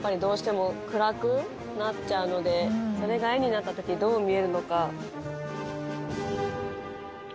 それが絵になった時どう見えるのか。